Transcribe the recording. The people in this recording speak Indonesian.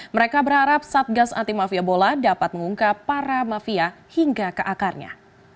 mereka berharap satgas anti mafia bola dapat mengungkap para mafia hingga ke akarnya